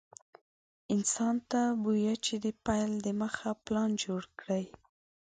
انسان ته بويه چې د پيل دمخه پلان جوړ کړي.